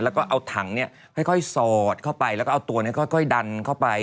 แล้วก็เอาถังค่อยสอดเข้าไปแล้วก็เอาตัวนี้ค่อยดันเข้าไป